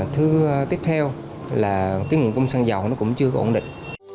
thứ tiếp theo là cái nguồn công sân dầu nó cũng chưa có ổn định